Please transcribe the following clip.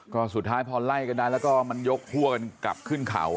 ก็สุดท้ายพอไล่ก็ได้แล้วก็มันยกหัวกับขึ้นเขาอ่ะ